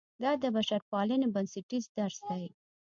دا د بشرپالنې بنسټیز درس دی.